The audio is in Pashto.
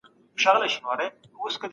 ذهني فشار د ټیم کار اغېزمنوي.